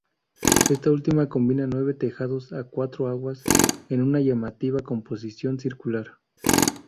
Esta última combina nueve tejados a cuatro aguas en una llamativa composición circular.